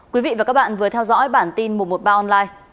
quý vị và các bạn vừa theo dõi bản tin một trăm một mươi ba online